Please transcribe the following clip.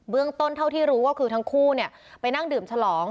เรื่องต้นเท่าที่รู้ก็คือทั้งคู่ไปนั่งดื่มฉลอง